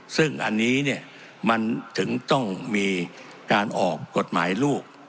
ซึ่งอันนี้เนี่ยมันถึงต้องมีการออกกฎหมายลูก